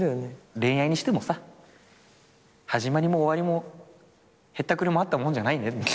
恋愛にしてもさ始まりも終わりもへったくれもあったもんじゃないね。